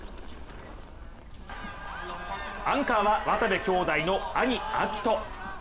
アンカーは渡部兄弟の兄・暁斗。